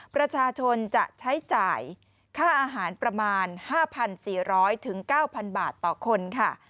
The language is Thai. ประชาชนจะใช้จ่ายค่าอาหารประมาณ๕๔๐๐๙๐๐บาทต่อคนค่ะ